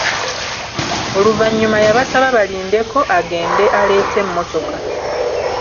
Oluvannyuma yabasaba balindeko agende aleete emmotoka.